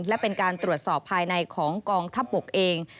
และเป็นการตรวจสอบภายในของกองทัพบกเอง